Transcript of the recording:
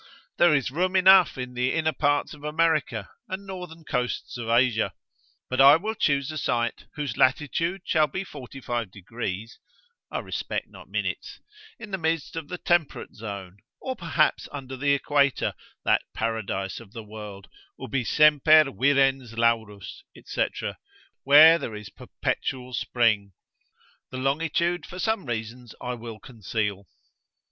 there is room enough in the inner parts of America, and northern coasts of Asia. But I will choose a site, whose latitude shall be 45 degrees (I respect not minutes) in the midst of the temperate zone, or perhaps under the equator, that paradise of the world, ubi semper virens laurus, &c. where is a perpetual spring: the longitude for some reasons I will conceal.